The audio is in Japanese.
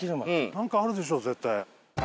なんかあるでしょ絶対。